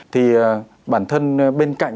thì bản thân bên cạnh